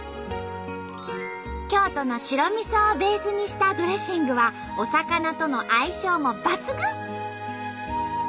京都の白味噌をベースにしたドレッシングはお魚との相性も抜群！